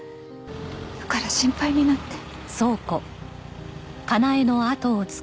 だから心配になって。